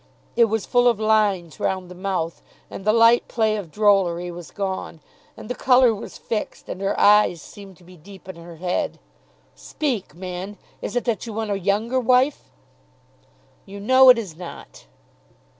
It was full of lines round the mouth, and the light play of drollery was gone, and the colour was fixed, and her eyes seemed to be deep in her head. "Speak, man, is it that you want a younger wife?" "You know it is not."